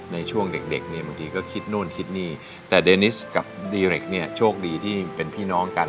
ในช่วงเด็กเนี่ยบางทีก็คิดนู่นคิดนี่แต่เดนิสกับดีเรกเนี่ยโชคดีที่เป็นพี่น้องกัน